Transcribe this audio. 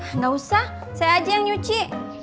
tidak usah saya aja yang nyuci